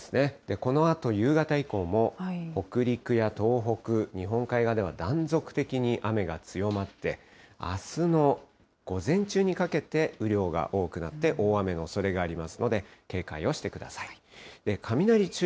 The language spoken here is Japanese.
このあと夕方以降も北陸や東北、日本海側では断続的に雨が強まって、あすの午前中にかけて、雨量が多くなって、大雨のおそれがありますので、警戒をしてください。